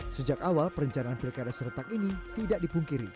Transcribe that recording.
sejak awal perencanaan pilkara seretak ini tidak dipungkiri